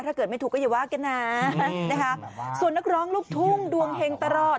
ถ้าเกิดไม่ถูกก็อย่าว่ากันนะนะคะส่วนนักร้องลูกทุ่งดวงเฮงตลอด